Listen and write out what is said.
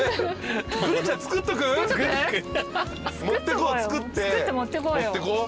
持ってこう。